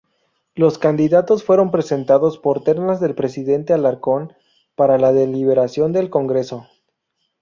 Los candidatos fueron presentados por ternas del presidente Alarcón para la deliberación del Congreso.